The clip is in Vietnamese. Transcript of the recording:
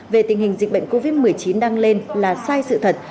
về tình hình dịch bệnh covid một mươi chín đang lên là sai sự thật